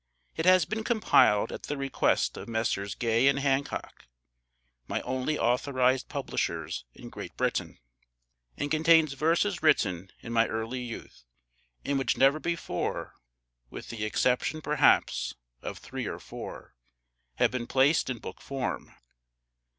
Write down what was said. It has been compiled at the request of Messrs. Gay and Hancock (my only authorised publishers in Great Britain), and contains verses written in my early youth, and which never before (with the exception, perhaps, of three or four) have been placed in book form.